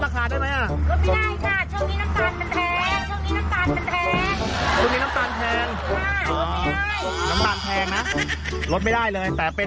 ช่วงนี้น้ำตาลแทง